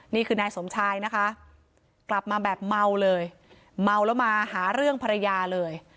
นี่คือนายสมชายนะคะกลับมาแบบเมาเลยเมาแล้วมาหาเรื่องภรรยาเลย